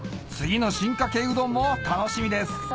次の進化系うどんも楽しみです